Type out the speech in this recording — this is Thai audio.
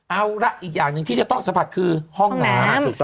เอาละอีกอย่างหนึ่งที่จะต้องสัมผัสคือห้องน้ำ